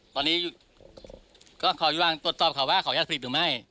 ตอนนี้ก็ขออย่างตรวจตอบเขาว่าขออนุญาตผลิตหรือไม่